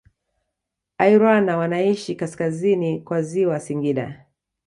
Airwana wanaishi kaskazini kwa ziwa Singida